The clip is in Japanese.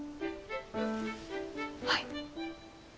はい。